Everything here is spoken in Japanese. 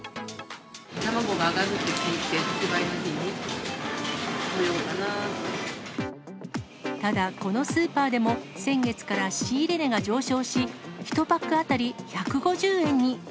卵が上がるって聞いて、ただ、このスーパーでも先月から仕入れ値が上昇し、１パック当たり１５０円に。